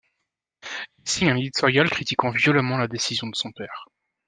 Il signe un éditorial critiquant violemment la décision de son père.